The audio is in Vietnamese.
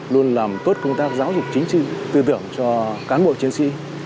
luôn làm tốt công tác giáo dục chính trị tư tưởng cho cán bộ chiến sĩ